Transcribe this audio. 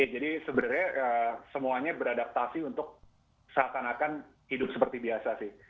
jadi sebenarnya semuanya beradaptasi untuk seakan akan hidup seperti biasa sih